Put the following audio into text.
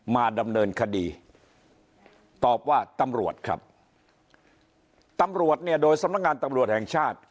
มาดำเนินคดีตอบว่าตำรวจครับตำรวจเนี่ยโดยสำนักงานตำรวจแห่งชาติ